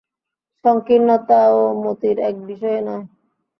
সংকীর্ণতাও মতির এক বিষয়ে নয়।